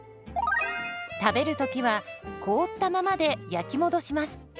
食べる時は凍ったままで焼き戻します。